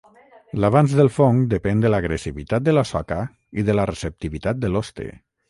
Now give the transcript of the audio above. L'avanç del fong depèn de l'agressivitat de la soca i de la receptivitat de l'hoste.